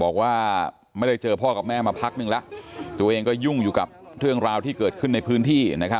บอกว่าไม่ได้เจอพ่อกับแม่มาพักนึงแล้วตัวเองก็ยุ่งอยู่กับเรื่องราวที่เกิดขึ้นในพื้นที่